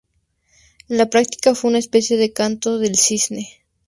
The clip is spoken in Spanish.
En la práctica, fue una especie de canto del cisne.